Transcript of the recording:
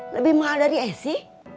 lebih mahal dari esi